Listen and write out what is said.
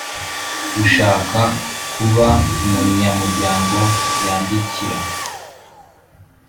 Ushaka kuba Umunyamuryango yandikira